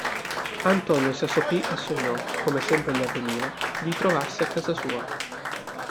Antonio si assopì e sognò, come sempre gli avveniva, di trovarsi a casa sua.